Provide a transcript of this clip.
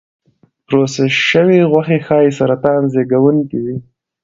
پروسس شوې غوښې ښایي سرطان زېږونکي وي.